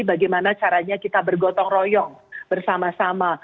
bagaimana caranya kita bergotong royong bersama sama